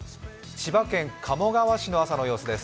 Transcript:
千葉県鴨川市の朝の様子です。